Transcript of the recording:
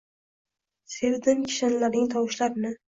Sevdim kishanlaring tovushlarini